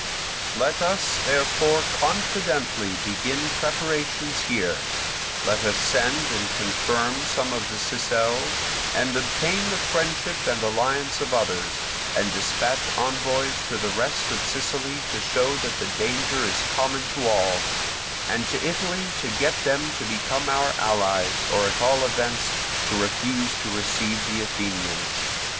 "Let us, therefore, confidently begin preparations here; let us send and confirm some of the Sicels, and obtain the friendship and alliance of others, and dispatch envoys to the rest of Sicily to show that the danger is common to all, and to Italy to get them to become our allies, or at all events to refuse to receive the Athenians.